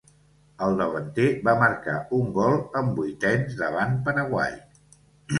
El davanter va marcar un gol en vuitens davant Paraguai.